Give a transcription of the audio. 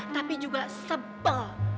tapi juga sebel